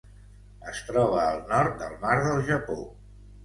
Es troba al nord del Mar del Japó.